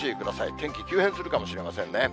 天気急変するかもしれませんね。